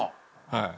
はい。